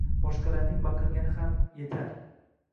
Boshqalarning baqirgani ham etar